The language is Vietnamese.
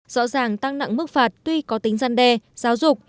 rõ ràng tăng nặng mức phạt tuy có tính gian đe giáo dục